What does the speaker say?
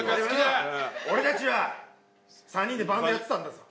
俺たちは３人でバンドやってたんだぞ。